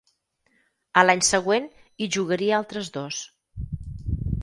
A l'any següent hi jugaria altres dos.